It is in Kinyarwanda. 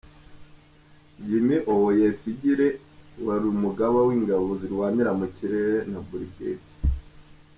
Jim Owoyesigire wari umugaba w’ingabo zirwanira mu kirere na Brig.